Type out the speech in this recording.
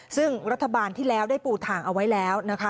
ซึ่งรัฐบาลที่แล้วได้ปูทางเอาไว้แล้วนะคะ